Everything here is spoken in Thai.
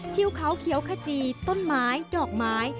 ที่เขาเขียวขจีต้นไม้ดอกไม้